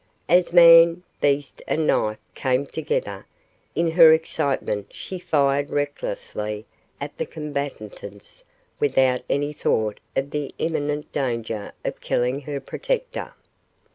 As man, beast and knife came together, in her excitement she fired recklessly at the combatants without any thought of the imminent danger of killing her protector.